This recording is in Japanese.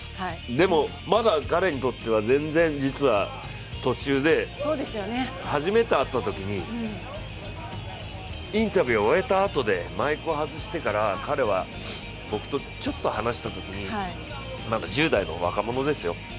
でも、まだ彼にとっては全然実は途中で初めて会ったときにインタビューを終えたあとでマイクを外してから彼は僕とちょっと話したときにまだ１０代の若者ですよ。